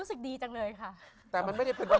คุณพี่ค่ะเรารักกันไม่ใช่เหรอคะ